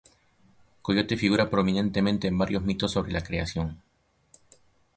Coyote figura prominentemente en varios mitos sobre la creación.